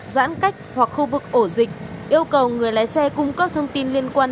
giãn cách hoặc khu vực ổ dịch yêu cầu người lái xe cung cấp thông tin liên quan